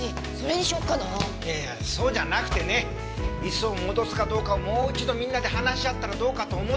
いやいやそうじゃなくてね椅子を戻すかどうかをもう一度みんなで話し合ったらどうかと思って。